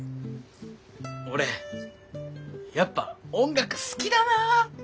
俺やっぱ音楽好きだなあって。